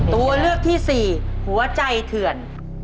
ตัวเลือกที่สี่หัวใจเถื่อน